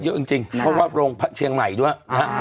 เยอะจริงเพราะว่าโรงเชียงใหม่ด้วยนะฮะ